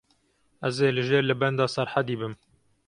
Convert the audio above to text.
Ez ê li jêr li benda Serhedî bim.